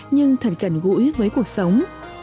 nhưng thật gần gũi với cuộc sống